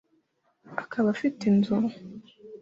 akaba afite inzu